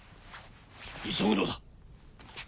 急ぐのだ。